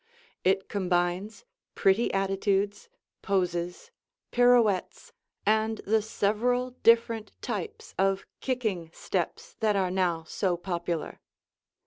It combines pretty attitudes, poses, pirouettes and the several different types of kicking steps that are now so popular.